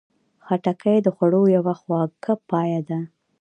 خټکی د خوړو یوه خواږه پایه ده.